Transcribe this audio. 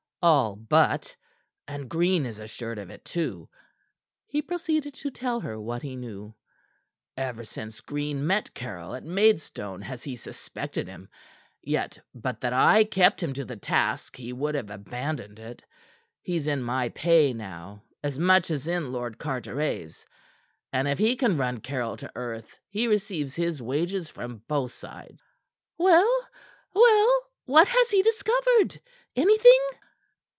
"All but; and Green is assured of it, too." He proceeded to tell her what he knew. "Ever since Green met Caryll at Maidstone has he suspected him, yet but that I kept him to the task he would have abandoned it. He's in my pay now as much as in Lord Carteret's, and if he can run Caryll to earth he receives his wages from both sides." "Well well? What has he discovered? Anything?"